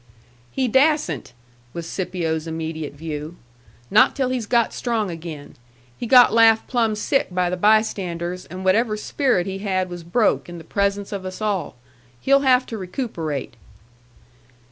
"He dassent," was Scipio's immediate view. "Not till he's got strong again. He got laughed plumb sick by the bystanders, and whatever spirit he had was broke in the presence of us all. He'll have to recuperate."